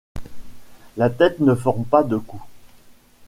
La tête ne forme pas de cou.